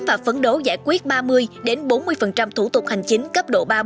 và phấn đấu giải quyết ba mươi đến bốn mươi thủ tục hành chính cấp độ ba mươi bốn